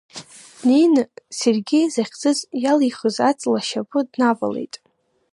Днеины, Сергеи захьӡыз иалихыз аҵла ашьапы днавалеит.